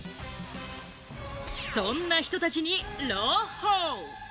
そんな人たちに朗報！